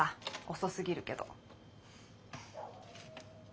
遅すぎるけど。